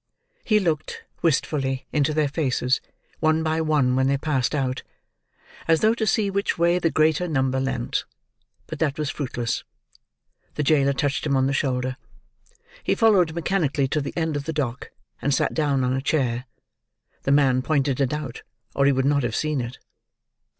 He looked, wistfully, into their faces, one by one when they passed out, as though to see which way the greater number leant; but that was fruitless. The jailer touched him on the shoulder. He followed mechanically to the end of the dock, and sat down on a chair. The man pointed it out, or he would not have seen it.